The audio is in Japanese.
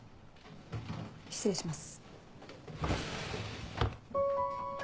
失礼します。